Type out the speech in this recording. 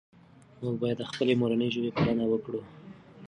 موږ باید د خپلې مورنۍ ژبې پالنه وکړو.